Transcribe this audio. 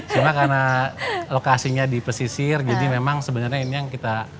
cuma karena lokasinya di pesisir jadi memang sebenarnya ini yang kita